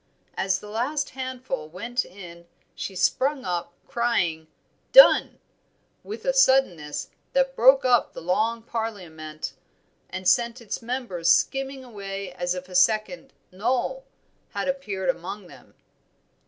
As the last handful went in she sprung up crying "Done!" with a suddenness that broke up the Long Parliament and sent its members skimming away as if a second "Noll" had appeared among them.